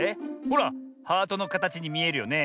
ほらハートのかたちにみえるよね。